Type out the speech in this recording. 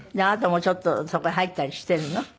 あなたもちょっとそこへ入ったりしてるの？